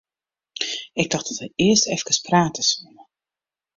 Ik tocht dat wy earst eefkes prate soene.